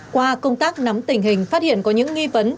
qua công tác nắm tình hình phát hiện có những nghi vấn